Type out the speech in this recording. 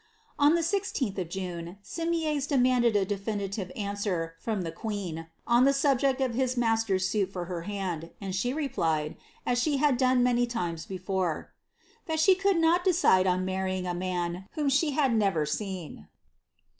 On the 10th of June, Simiers demanded a definitive answer from tlie queen, on the subject ojf his master's suit for her hand, and she replied, H she had done many times before ^ that she could not decide on mar tying a man whom she had never seen."